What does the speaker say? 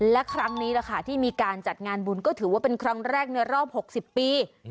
และครั้งนี้แหละค่ะที่มีการจัดงานบุญก็ถือว่าเป็นครั้งแรกในรอบ๖๐ปี